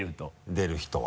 出る人は。